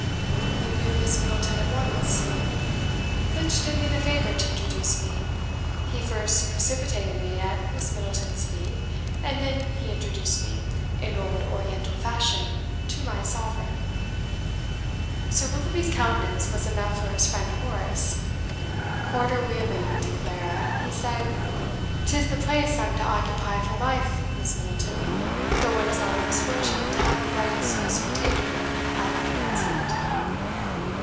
"You knew Miss Middleton at once?" "Flitch did me the favour to introduce me. He first precipitated me at Miss Middleton's feet, and then he introduced me, in old oriental fashion, to my sovereign." Sir Willoughby's countenance was enough for his friend Horace. Quarter wheeling to Clara, he said: "'Tis the place I'm to occupy for life, Miss Middleton, though one is not always fortunate to have a bright excuse for taking it at the commencement."